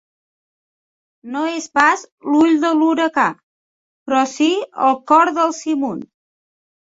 No és pas l'ull de l'huracà, però sí el cor del simun.